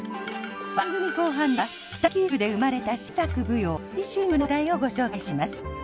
番組後半では北九州で生まれた新作舞踊「門司春秋」の話題をご紹介します。